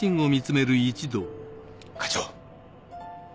課長！